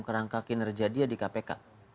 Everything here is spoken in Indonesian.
kerangka kinerja dia di kpk